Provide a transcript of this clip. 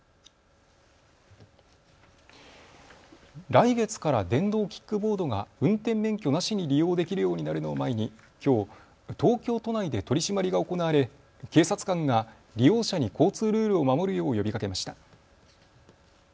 来月から電動キックボードが運転免許なしに利用できるようになるのを前に、きょう東京都内で取締りが行われ警察官が利用者に交通ルールを守るよう呼びかけました。